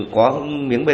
có miếng bề